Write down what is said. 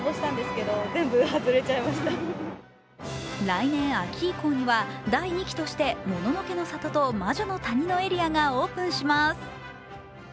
来年秋以降には第二期としてもののけの里と魔女の谷のエリアがオープンします。